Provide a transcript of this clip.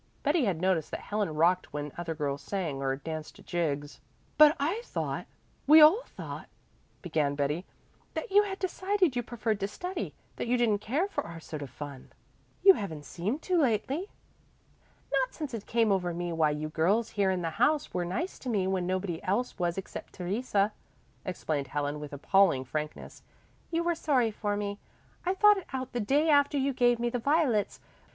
Betty had noticed that Helen rocked when other girls sang or danced jigs. "But I thought we all thought," began Betty, "that you had decided you preferred to study that you didn't care for our sort of fun. You haven't seemed to lately." "Not since it came over me why you girls here in the house were nice to me when nobody else was except Theresa," explained Helen with appalling frankness. "You were sorry for me. I thought it out the day after you gave me the violets.